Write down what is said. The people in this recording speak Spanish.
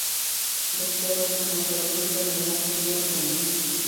Los cuervos son otro ejemplo de un omnívoro común.